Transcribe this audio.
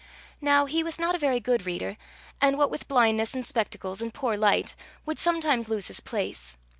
Now he was not a very good reader, and, what with blindness and spectacles, and poor light, would sometimes lose his place.